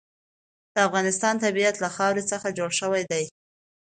د افغانستان طبیعت له خاوره څخه جوړ شوی دی.